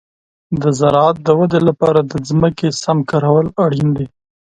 د زراعت د ودې لپاره د ځمکې سم کارول اړین دي.